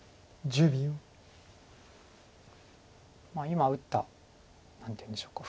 今打った何ていうんでしょうか。